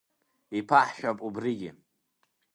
Иԥаҳшәап убригьы…